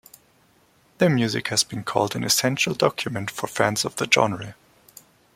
Their music has been called an "essential document" for fans of the genre.